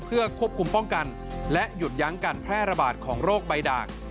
เพื่อควบคุมป้องกันและหยุดยั้งการแพร่ระบาดของโรคใบด่าง